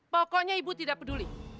pokoknya ibu tidak peduli